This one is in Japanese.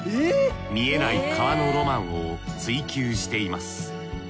見えない川のロマンを追求しています。